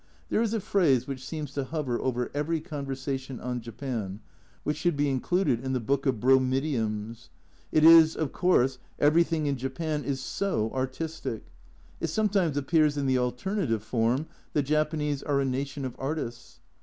There is a phrase which seems to hover over every conversation on Japan, which should be included in the Book of Bromidioms. It is, "Of course everything in Japan is so artistic 1 " It sometimes appears in the alternative form, "The Japanese are a nation of artists